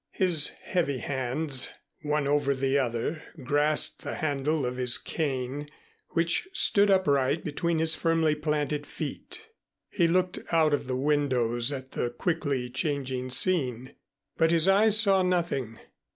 His heavy hands, one over the other, grasped the handle of his cane, which stood upright between his firmly planted feet. He looked out of the windows at the quickly changing scene, but his eyes saw nothing.